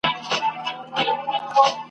لکه خُم ته د رنګرېز چي وي لوېدلی !.